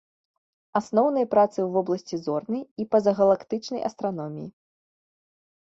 Асноўныя працы ў вобласці зорнай і пазагалактычнай астраноміі.